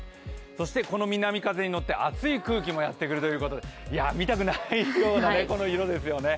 この南風に乗って暑い空気もやってくるということで見たくないような色ですよね。